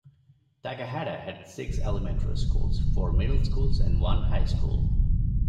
Takahata has six elementary schools, four middle schools and one high school.